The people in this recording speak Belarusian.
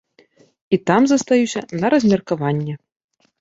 І там застаюся на размеркаванне.